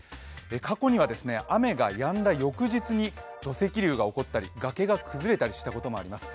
過去には雨がやんだ翌日に土石流が起こったり崖が崩れたりしたこともあります。